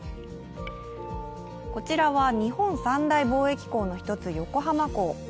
こちらは日本三大貿易港の一つ横浜港。